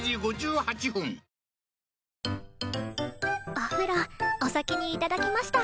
お風呂お先に頂きました。